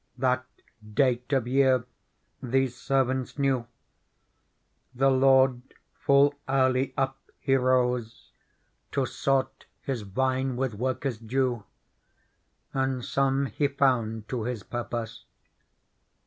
" That date of year these servants knew : The lord, full early up he rose To sort his vine with workers due. And some he found to his purpose.